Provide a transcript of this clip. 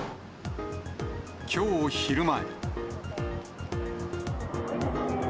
きょう昼前。